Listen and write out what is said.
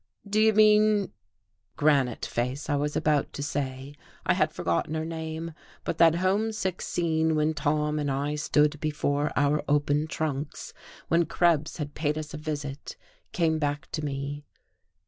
"Do you mean ?" "Granite Face," I was about to say. I had forgotten her name, but that homesick scene when Tom and I stood before our open trunks, when Krebs had paid us a visit, came back to me.